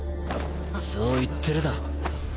そう言ってるだろ。